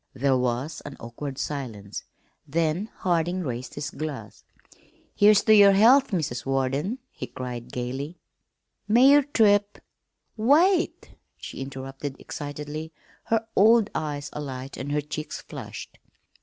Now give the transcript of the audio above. There was an awkward silence, then Harding raised his glass. "Here's to your health, Mrs. Warden!" he cried gayly. "May your trip " "Wait!" she interrupted excitedly, her old eyes alight and her cheeks flushed.